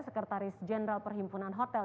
sekretaris jeneral perhimpunan hotel